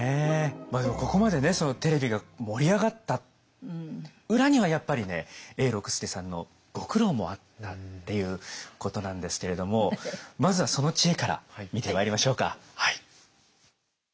でもここまでねそのテレビが盛り上がった裏にはやっぱりね永六輔さんのご苦労もあったっていうことなんですけれどもまずはその知恵から見てまいりましょうか。